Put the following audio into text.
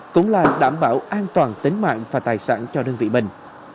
cũng là đảm bảo an toàn tính mạng và tài sản cho đơn vị mình